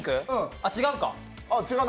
あっ、違うか。